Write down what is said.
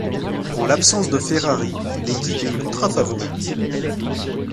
En l'absence de Ferrari, l'équipe est ultra-favorite.